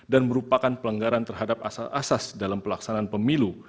dan merupakan pelanggaran terhadap asas asas dalam pelaksanaan pemilu